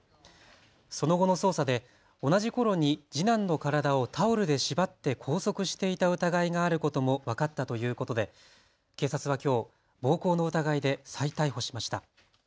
その後の捜査で同じころに次男の体をタオルで縛って拘束していた疑いがあることも分かったということで警察はきょう、暴行の疑いで再逮捕しました。